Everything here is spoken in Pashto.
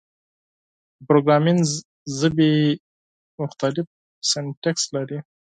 د پروګرامینګ ژبې مختلف سینټکس لري.